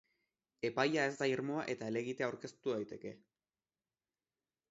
Epaia ez da irmoa eta helegitea aurkeztu daiteke.